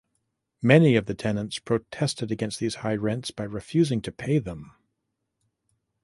Many of the tenants protested against these high rents by refusing to pay them.